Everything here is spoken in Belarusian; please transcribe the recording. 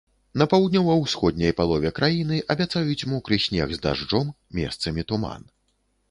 На паўднёва-усходняй палове краіны абяцаюць мокры снег з дажджом, месцамі туман.